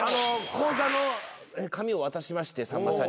口座の紙を渡しましてさんまさんに。